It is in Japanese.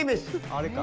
あれか。